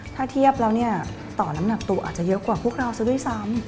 ถ้าเทียบแล้วเนี่ยต่อน้ำหนักตัวอาจจะเยอะกว่าพวกเราซะด้วยซ้ำ